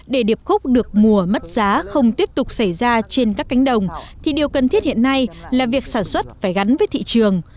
để điệp khúc được mùa mất giá không tiếp tục xảy ra trên các cánh đồng thì điều cần thiết hiện nay là việc sản xuất phải gắn với thị trường